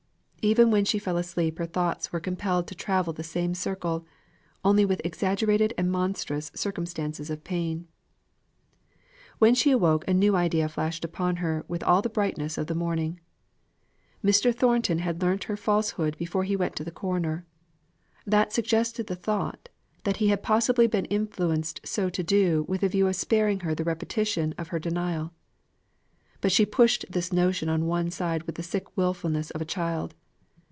Even when she fell asleep her thoughts were compelled to travel the same circle, only with exaggerated and monstrous circumstances of pain. When she awoke a new idea flashed upon her with all the brightness of the morning. Mr. Thornton had learnt her falsehood before he went to the coroner; that suggested the thought, that he had possibly been influenced so to do with a view of sparing her the repetition of her denial. But she pushed this notion on one side with the sick wilfulness of a child.